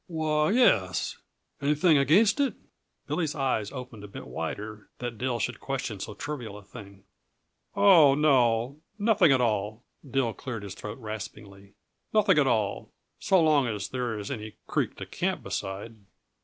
"Why, yes. Anything against it?" Billy's eyes opened a bit wider that Dill should question so trivial a thing. "Oh, no nothing at all." Dill cleared his throat raspingly. "Nothing at all so long as there is any creek to camp beside."